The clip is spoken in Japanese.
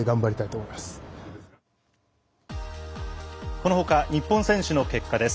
このほか日本選手の結果です。